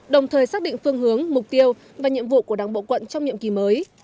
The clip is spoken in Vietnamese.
đồng thời xác định phương hướng mục tiêu và nhiệm vụ của đảng bộ quận trong nhiệm kỳ mới